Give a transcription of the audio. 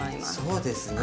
そうですね。